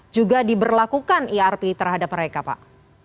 juga diberlakukan irp terhadap mereka pak